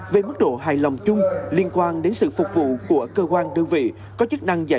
về mức độ hài lòng chung liên quan đến sự phục vụ của cơ quan đơn vị